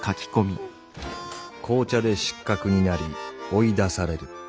「紅茶で失格になり追い出される。